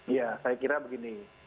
ya saya kira begini